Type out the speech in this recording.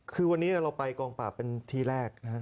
คือวันนี้เราไปกองปราบเป็นทีแรกนะฮะ